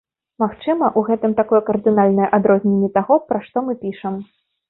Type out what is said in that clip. Магчыма, у гэтым такое кардынальнае адрозненне таго, пра што мы пішам.